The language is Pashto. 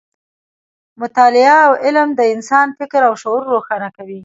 مطالعه او علم د انسان فکر او شعور روښانه کوي.